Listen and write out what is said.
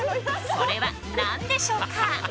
それは何でしょうか？